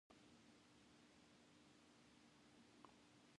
Amrani was born in Morocco, but grew up in Belgium.